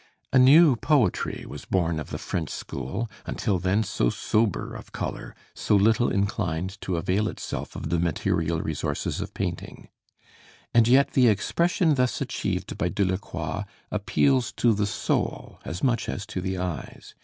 A new poetry was born of the French school, until then so sober of color, so little inclined to avail itself of the material resources of painting. And yet the expression thus achieved by Delacroix appeals to the soul as much as to the eyes.